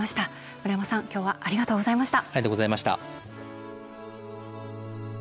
村山さん、今日はありがとうございました。